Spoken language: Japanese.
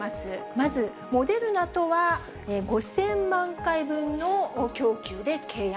まずモデルナとは５０００万回分の供給で契約。